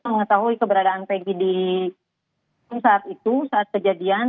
mengetahui keberadaan pg di saat itu saat kejadian